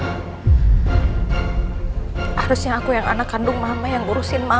harusnya aku yang anak kandung mama yang urusin mama